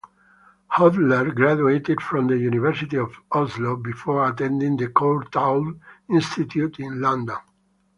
Hohler graduated from the University of Oslo before attending the Courtauld Institute in London.